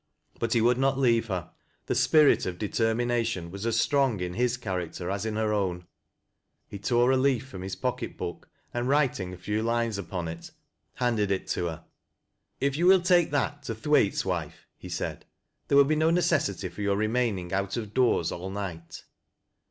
But he would not leave her. The spirit of determination was as strong in his character as in her own. He tore a leai • from his poiiket book, and, writing a few lines upon it, 12 TBAT LASS C LOWBIE'B. handed it to her. " If you will take that tt Thwailee wife," he said, " there will be no necessity for your re maining out of doore all night."